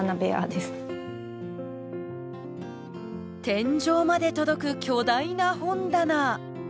天井まで届く巨大な本棚。